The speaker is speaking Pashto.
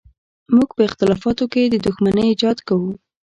موږ په اختلافاتو کې د دښمنۍ ایجاد کوو.